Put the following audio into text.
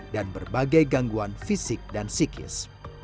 dan berbagai gangguan fisik dan psikis